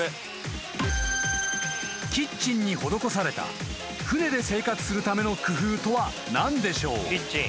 ［キッチンに施された船で生活するための工夫とは何でしょう？］